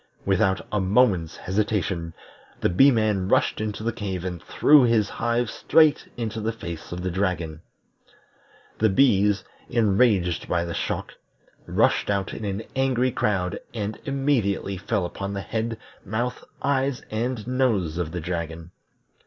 Without a moment's hesitation, the Bee man rushed into the cave and threw his hive straight into the face of the dragon. The bees, enraged by the shock, rushed out in an angry crowd and immediately fell upon the head, mouth, eyes, and nose of the dragon.